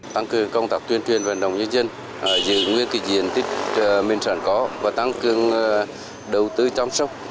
tăng cường công tác tuyên truyền vận động nhân dân giữ nguyên diện tích miền sản có và tăng cường đầu tư chăm sóc